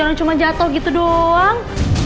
jangan cuma jatuh gitu doang